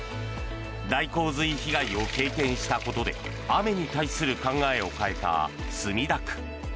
大洪水被害を経験したことで雨に対する考えを変えた墨田区。